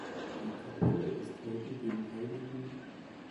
Die Kapelle ist heute dem hl.